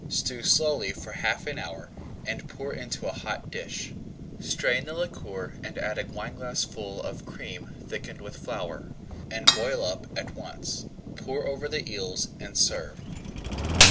Stew slowly for half an hour, and pour into a hot dish. Strain the liquor and add a wineglassful of cream thickened with flour, and boil up once. Pour over the eels and serve.